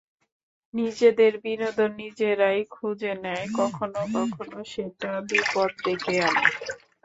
নিজেদের বিনোদন নিজেরাই খুঁজে নেয়, কখনো কখনো সেটা বিপদ ডেকে আনে।